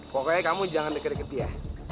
pokoknya kamu jangan dikerik kerik dia